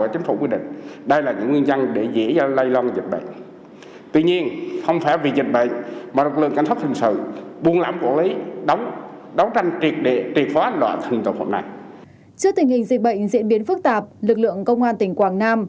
trước tình hình dịch bệnh diễn biến phức tạp lực lượng công an tỉnh quảng nam